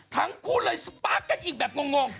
ทั้งคู่เลยสปาร์คกันอีกแบบงง